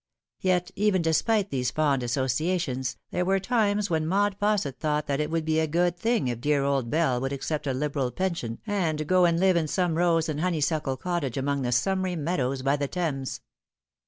Yet, even despite these fond associations, there were times when Maud Fausset thought that it would be a good thing if dear old Bell would accept a liberal pension and go and live iu some rose and honeysuckle cottage among the summery meadows by the Thames.